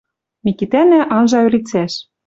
Микитӓнӓ анжа ӧлицӓш.